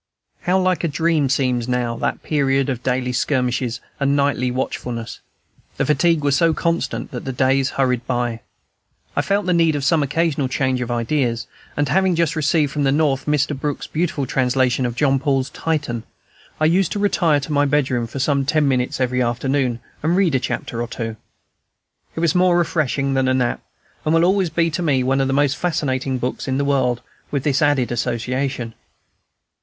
How like a dream seems now that period of daily skirmishes and nightly watchfulness! The fatigue was so constant that the days hurried by. I felt the need of some occasional change of ideas, and having just received from the North Mr. Brook's beautiful translation of Jean Paul's "Titan," I used to retire to my bedroom for some ten minutes every afternoon, and read a chapter or two. It was more refreshing than a nap, and will always be to me one of the most fascinating books in the world, with this added association.